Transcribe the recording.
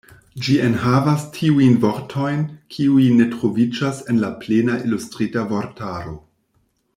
Ĝi enhavas tiujn vortojn kiuj ne troviĝas en la "Plena Ilustrita Vortaro".